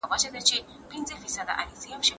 ¬ انسان ته خبره، خره ته لرگى.